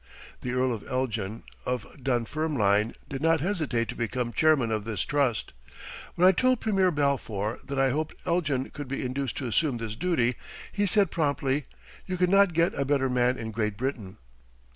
The Earl of Elgin, of Dunfermline, did not hesitate to become Chairman of this trust. When I told Premier Balfour that I hoped Elgin could be induced to assume this duty, he said promptly, "You could not get a better man in Great Britain."